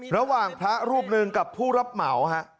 ระหว่างพระรูปหนึ่งกับผู้รับเหมาฮะ